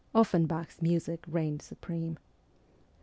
Offen bach's music reigned supreme.